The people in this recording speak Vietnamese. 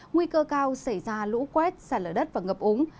nguy cơ cao xảy ra lũ quét xả lở đất và ngập úng